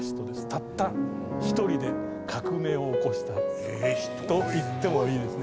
たった１人で革命を起こしたと言ってもいいですね。